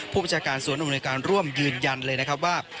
ผู้บัจจากาลสวนอบริการร่วมยืนยันเลยนะครับว่า